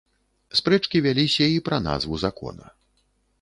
Спрэчкі вяліся і пра назву закона.